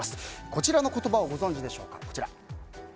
こちらの言葉をご存じでしょうか。